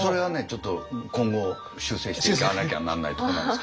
ちょっと今後修正していかなきゃなんないとこなんですけども。